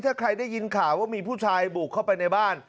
ถ้าใครได้ยินข่าวว่ามีผู้ชายบุกเข้าไปในบ้าน